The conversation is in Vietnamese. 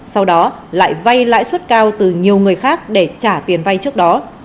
sau đó lại vay lãi suất cao từ nhiều người khác để trả tiền vay trước đó